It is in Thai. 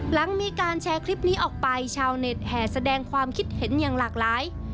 หลังมีการแชร์คลิปนี้ออกไปชาวเน็ตแห่แสดงความคิดเห็นอย่างหลากหลาย